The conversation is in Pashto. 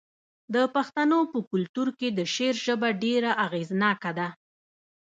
د پښتنو په کلتور کې د شعر ژبه ډیره اغیزناکه ده.